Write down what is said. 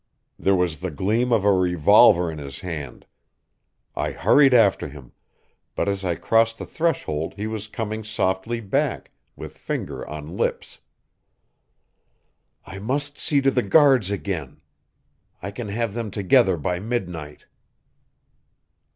There was the gleam of a revolver in his hand. I hurried after him, but as I crossed the threshold he was coming softly back, with finger on lips. "I must see to the guards again. I can have them together by midnight."